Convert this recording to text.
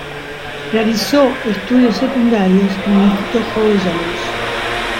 Realizó estudios secundarios en el Instituto Jovellanos.